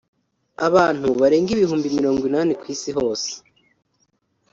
Abantu barenga ibihumbi mirongo inani ku isi hose